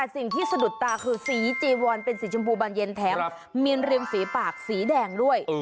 สะดุดตาคือสีจีวอนเป็นสีชมพูบานเย็นแถมเมียนเรียงฝีปากสีแดงด้วย